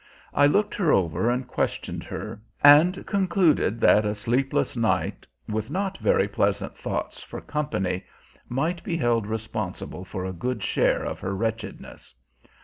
I looked her over and questioned her, and concluded that a sleepless night, with not very pleasant thoughts for company, might be held responsible for a good share of her wretchedness.